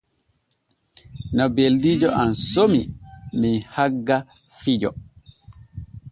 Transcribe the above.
No beldiijo am somi men hagga fijo.